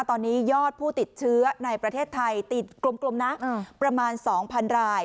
ตอนนี้ยอดผู้ติดเชื้อในประเทศไทยติดกลมนะประมาณ๒๐๐๐ราย